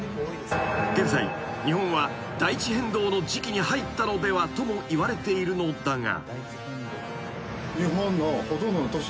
［現在日本は大地変動の時期に入ったのではともいわれているのだが］